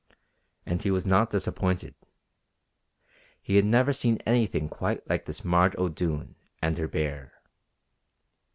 And he was not disappointed. He had never seen anything quite like this Marge O'Doone and her bear.